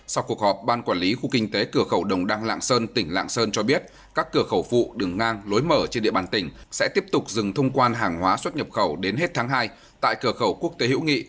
sau cuộc họp ban quản lý khu kinh tế cửa khẩu đồng đăng lạng sơn tỉnh lạng sơn cho biết các cửa khẩu phụ đường ngang lối mở trên địa bàn tỉnh sẽ tiếp tục dừng thông quan hàng hóa xuất nhập khẩu đến hết tháng hai tại cửa khẩu quốc tế hữu nghị